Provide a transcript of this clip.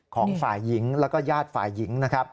ของฝ่ายหญิงแล้วก็ญาติฝ่ายหญิงนะครับ